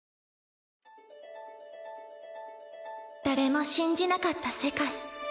「誰も信じなかった世界。